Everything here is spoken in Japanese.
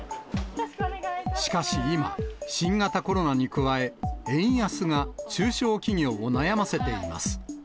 しかし今、新型コロナに加え、円安が中小企業を悩ませています。